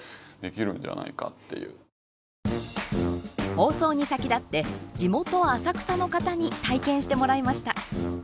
放送に先立って、地元浅草の方に体験してもらいました。